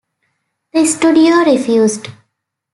The studio refused.